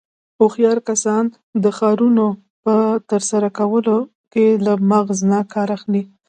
هوښیار کسان د کارنو په ترسره کولو کې له مغزو نه کار اخلي.